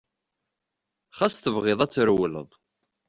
Ɣas tebɣiḍ ad trewleḍ.